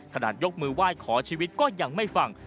ยกมือไหว้ขอชีวิตก็ยังไม่ฟัง